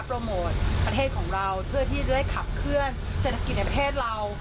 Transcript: โปรโมทประเทศของเราเพื่อที่จะได้ขับเคลื่อนเศรษฐกิจในประเทศเรา